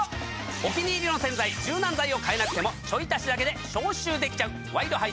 お気に入りの洗剤柔軟剤を変えなくてもちょい足しだけで消臭できちゃう。